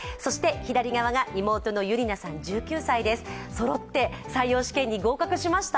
そろって採用試験に合格しました。